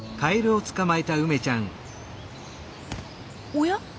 おや？